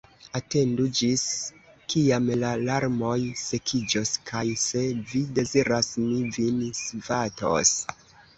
Atendu, ĝis kiam la larmoj sekiĝos, kaj, se vi deziras, mi vin svatos.